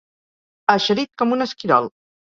Eixerit com un esquirol.